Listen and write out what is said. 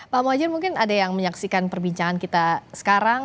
pak muhajir mungkin ada yang menyaksikan perbincangan kita sekarang